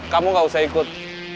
kamu gak usah ikut